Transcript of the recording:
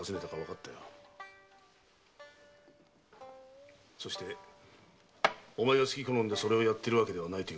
そしてお前が好き好んでそれをやっているわけではないこともな。